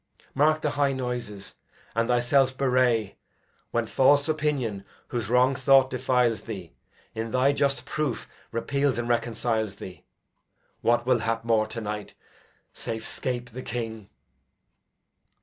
Mark the high noises, and thyself bewray When false opinion, whose wrong thought defiles thee, In thy just proof repeals and reconciles thee. What will hap more to night, safe scape the King!